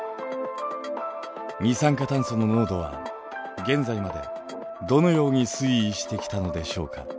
二酸化炭素の濃度は現在までどのように推移してきたのでしょうか。